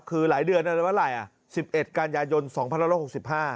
คือหลายเดือนอะไรเมื่อไหร่อ่ะสิบเอ็ดกันยายนสองพันร้อยหกสิบห้า